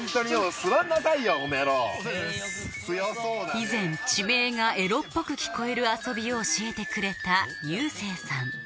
以前地名がエロっぽく聞こえる遊びを教えてくれたゆうせいさん